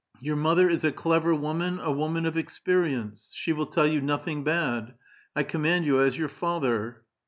Your mother is a clever woman, a woman of experience. She will tell you nothing bad. I command you as your father."